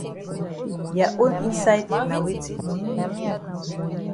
Ya own inside na weti.